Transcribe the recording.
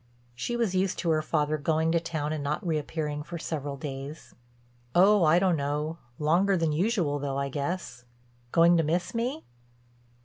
She was used to her father going to town and not reappearing for several days. "Oh, I don't know; longer than usual, though, I guess. Going to miss me?"